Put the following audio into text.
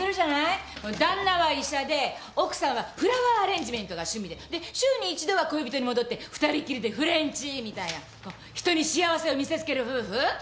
旦那は医者で奥さんはフラワーアレンジメントが趣味ででっ週に一度は恋人に戻って二人っきりでフレンチみたいな人に幸せを見せつける夫婦。